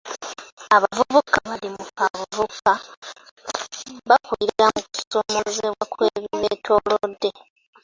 Abavubuka abali mu kaabuvubuka bakulira mu kusoomoozebwa kw'ebibeetoolodde